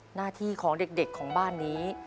หน้าที่ของเด็กของบ้านนี้